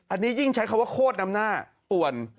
อันนี้ยิ่งใช้คำว่าโคตรน้ำหน้าป่วน